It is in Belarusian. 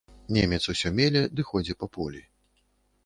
Немец усё меле ды ходзе па полі.